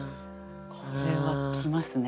これは来ますね。